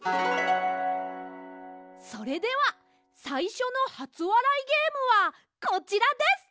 それではさいしょのはつわらいゲームはこちらです！